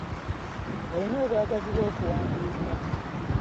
Alina obwagazi bw'okuwandiika!